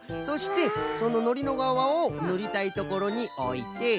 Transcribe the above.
そしてそののりのがわをぬりたいところにおいて。